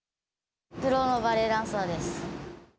プロのバレエダンサーです。